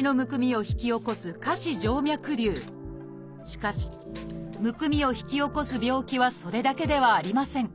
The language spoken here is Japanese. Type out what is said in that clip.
しかしむくみを引き起こす病気はそれだけではありません。